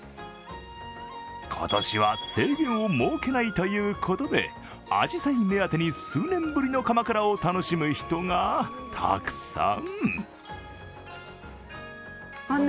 今年は、制限を設けないということで、あじさい目当てに数年ぶりの鎌倉を楽しむ人がたくさん。